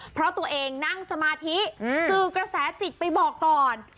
เพราะตัวเองนั่งสมาธิสื่อกระแสจิตไปบอกก่อน